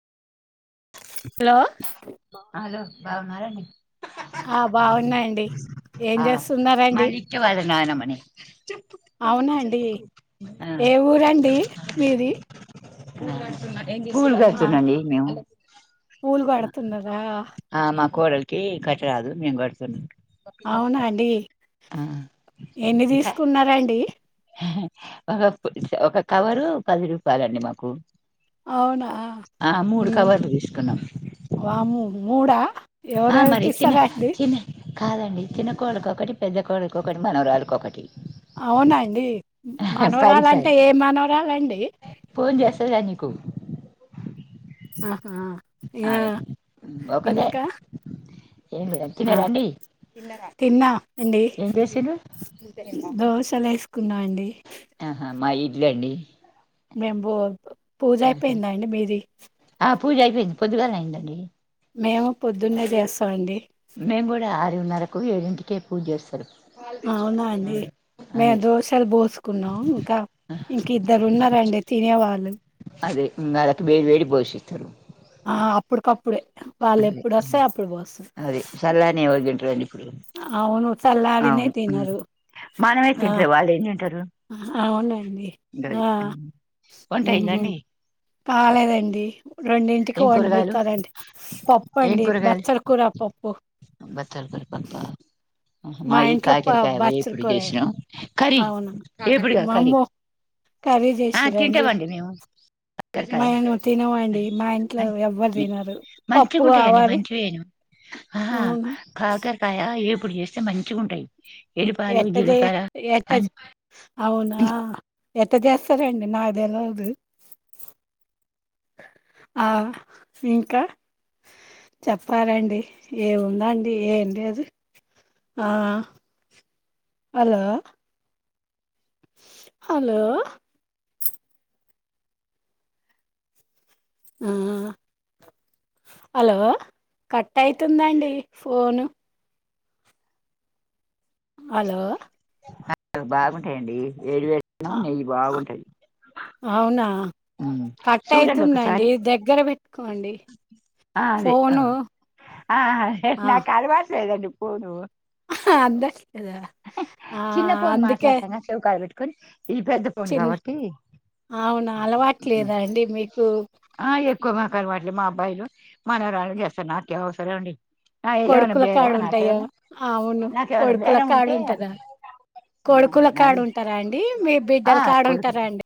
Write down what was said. Hello బావున్నా రాండి ఆ బాగున్నా అండి ఏం ఆ చేస్తున్నారండి మళ్ళీ ఇచ్చేవాళ్ళ నాయనమ్మని అవునా అండి ఆ ఏ ఊరండి మీది పూలు ఆ కడుతున్న అండి మేము పూలు కడతందిగా ఆ మా కోడలికి కట్ట రాదు మేము కడుతున్న అవునా అండి ఎన్ని ఇంకా తీసుకున్నారండి ఒక ఒక కవరు పది రూపాయలండి మాకు అవునా ఆ మూడు కవర్లు తీసుకున్నాం వామ్మో మూడా ఆ మరి ఎవరెవరికి చిన్న ఇస్తార అండి చిన్న కాదండి చిన్న కోడలికొకటి పెద్ద కోడలికిఒకటి మనవరాలికొకటి అవునా అండి పది పది మనవరాలంటే అంటే ఏ మనవరాలండి రా నీకు ఆహా ఇగ ఆమె ఒకదే ఇంకా ఏం లేదండి ఆ తిన్నరా అండి తిన్నా అండి దోశలు వేసు తిన్నా అండి రండి మేము బొ పూజ అయిపోయిందా. అండి మీది ఆ పూజ అయిపోయింది. పొడ్డుగల నే అయిందండి మేము పొద్దున్నే చేస్తాం అండి మేము కూడా ఆరున్నరకు ఏడింటికే పూజ చేస్తాం అవునా అండి మేము అదే దోశలు పోసుకున్నాం ఇంకా ఇంక ఇద్దరు ఉన్నారండి తినేవాళ్ళు అదే ఇందాకటి వేడి వేడి పోషింటరు ఆ అప్పుడికప్పుడే వాళ్ళు ఎప్పుడు వస్తే అప్పుడు పోస్తాను అదే చల్లారని ఎవరు తింటారండి ఇప్పుడు అవును చల్లారినవి అవును తినరు మనమే ఆ తింటలే వాళ్ళు ఏం తింటారు అవునండి గది ఆ వంట ఊహూ అయిందండి కాలేదండి రెండింటికి ఏం కూరగాయలు వండుతారండి పప్పు అండి బచ్చలి కూర పప్పు బచ్చలి కూర పప్పా ఆ మా మాది ఇంట్లో ప కాకరకాయ బచ్చల వేపుడు కూర చేసినం కర్రీ అవునా వేపుడు కాదు మా కర్రీ అమ్మ కర్రీ ఆ తింటవండి మేము కాకరకాయ మయన్ను తినవండి మా ఇంట్లో ఎవ్వరు తినరు పప్పు మంచిగుంటాయండి కావాలి. మంచివేను ఆహా అవునా కాకరకాయ ఏపుడు చేస్తే మంచిగా ఉంటాయి ఎట్ట చేయా అన్ ఎట్టది అవునా ఎట్ల చేస్తారండి నాకు తెల్వదు ఆ ఇంకా చెప్పాలండి ఏముందండి ఏం లేదు ఆ హలో హలో ఆ హలో కట్ అయితుందండి ఫోను హలో బాగుంటాయండి వేడి వేడి ఆ, అన్నం నెయ్యి బాగుంటయి అవునా కట్ చూడండి అయితుందండి ఒకసారి దగ్గర పెట్టుకోండి. ఆ అదే ఫోను ఆ అదే నాకు అలవాటు లేదండి ఫొను అందట్లేద ఆ అందుకే ఈ పెద్ద ఫోన్ చిన్న కాబట్టి అవునా! అలవాట్లేదా అండి మీకు? ఆ ఎప్ కుమాకలు వాట్లు మా అబ్బాయిలు మన వరాలు చేస్తారు నాకే అవసరం అండి ఆ ఏవన్న కొడుకుల బేరవా కాడుంటాయా? నాకేమన్న అవును. నాకేవన్న కొడుకుల బేరేమ్ ఉంట అ కాడుంటదా? కొడుకుల నాది కాడుంటారా అండి? మీ ఆ బిడ్డల కొడు కాడుంటారా అండి?